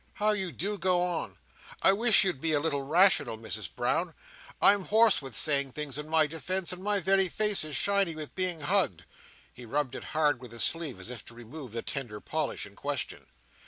How you do go on! I wish you'd be a little rational, Misses Brown. I'm hoarse with saying things in my defence, and my very face is shiny with being hugged!" He rubbed it hard with his sleeve, as if to remove the tender polish in question.